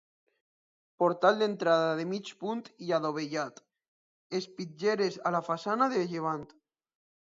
Portal d'entrada de mig punt i adovellat; espitlleres a la façana de llevant.